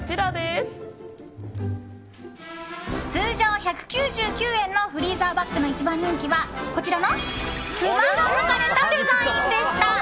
通常１９９円のフリーザーバッグの一番人気はこちらのクマが描かれたデザインでした。